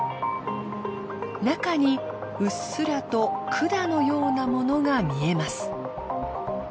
中にうっすらと管のようなものが見えます。